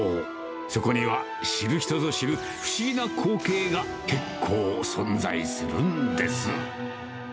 そこには知る人ぞ知る、不思議な光景が結構存在するんです。